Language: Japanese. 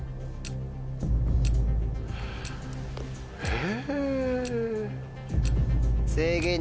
え？